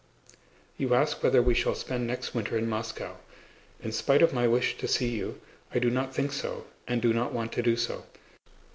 You ask whether we shall spend next winter in Moscow. In spite of my wish to see you, I do not think so and do not want to do so.